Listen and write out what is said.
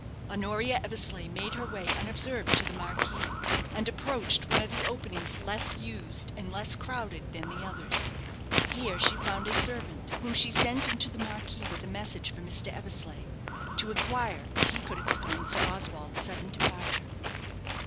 Honoria Eversleigh made her way unobserved to the marquee, and approached one of the openings less used and less crowded than the others. Here she found a servant, whom she sent into the marquee with a message for Mr. Eversleigh, to inquire if he could explain Sir Oswald's sudden departure.